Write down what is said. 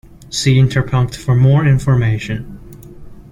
See interpunct for more information.